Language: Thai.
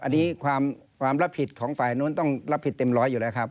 อันนี้ความรับผิดของฝ่ายนู้นต้องรับผิดเต็มร้อยอยู่แล้วครับ